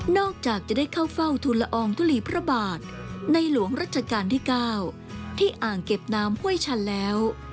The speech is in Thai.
จากจะได้เข้าเฝ้าทุนละอองทุลีพระบาทในหลวงรัชกาลที่๙ที่อ่างเก็บน้ำห้วยชันแล้ว